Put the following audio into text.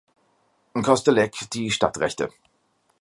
Kostelec die Stadtrechte.